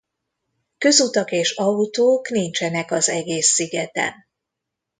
Közutak és autók nincsenek az egész szigeten.